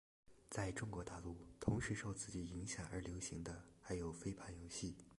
在中国大陆同时受此剧影响而流行的还有飞盘游戏。